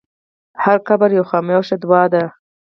هر قبر یوه خاموشه دعا ده.